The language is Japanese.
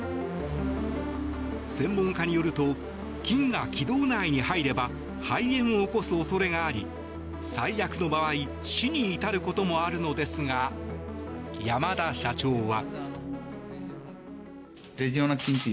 専門家によると菌が気道内に入れば肺炎を起こす恐れがあり最悪の場合死に至ることもあるのですが山田社長は。